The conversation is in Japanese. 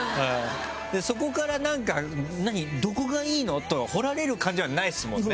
そこからなんか「何？どこがいいの？」と掘られる感じはないですもんね